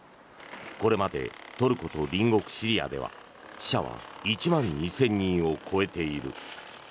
これまでトルコと隣国シリアでは死者は１万２０００人を超えている。